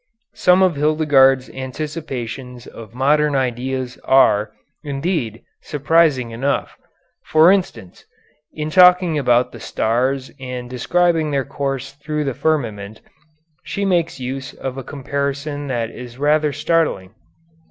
Some of Hildegarde's anticipations of modern ideas are, indeed, surprising enough. For instance, in talking about the stars and describing their course through the firmament, she makes use of a comparison that is rather startling.